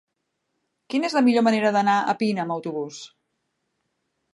Quina és la millor manera d'anar a Pina amb autobús?